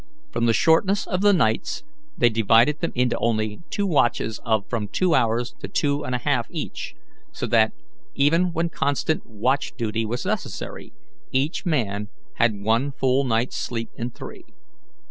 From the shortness of the nights, they divided them into only two watches of from two hours to two and a half each, so that, even when constant watch duty was necessary, each man had one full night's sleep in three.